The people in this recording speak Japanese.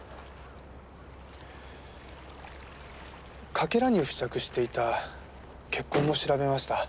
かけらに付着していた血痕も調べました。